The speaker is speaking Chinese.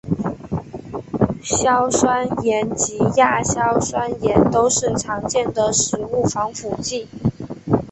硝酸盐及亚硝酸盐都是常见的食物防腐剂。